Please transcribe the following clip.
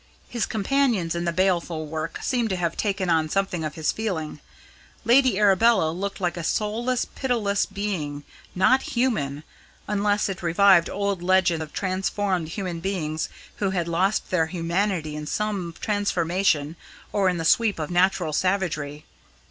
His companions in the baleful work seemed to have taken on something of his feeling. Lady Arabella looked like a soulless, pitiless being, not human, unless it revived old legends of transformed human beings who had lost their humanity in some transformation or in the sweep of natural savagery.